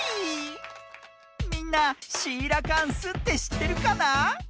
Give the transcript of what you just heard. みんなシーラカンスってしってるかな？